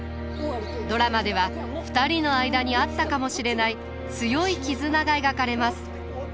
ドラマでは２人の間にあったかもしれない強い絆が描かれます。